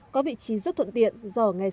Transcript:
có vị trí rất thuận trọng